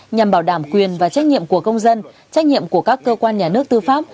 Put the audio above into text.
nhằm bảo đảm quyền và trách nhiệm của công dân trách nhiệm của các cơ quan nhà nước tư pháp